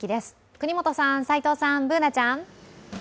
國本さん、齋藤さん、Ｂｏｏｎａちゃん。